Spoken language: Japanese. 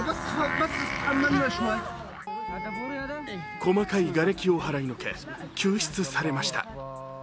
細かいがれきを払いのけ救出されました。